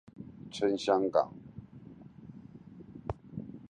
撐香港